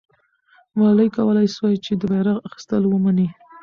ملالۍ کولای سوای چې د بیرغ اخیستل ومني.